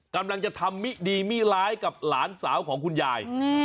กำลังจะทำมิดีมิร้ายกับหลานสาวของคุณยาย